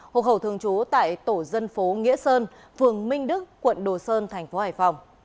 hộ khẩu thường trú tại tổ dân phố nghĩa sơn phường minh đức quận đồ sơn tp hải phòng